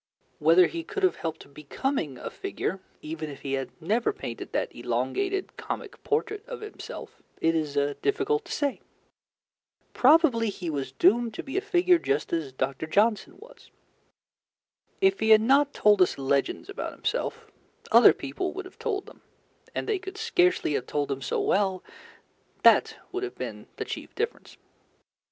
Whether he could have helped becoming a figure, even if he had never painted that elongated comic portrait of himself, it is difficult to say. Probably he was doomed to be a figure just as Dr. Johnson was. If he had not told us legends about himself, other people would have told them, and they could scarcely have told them so well: that would have been the chief difference.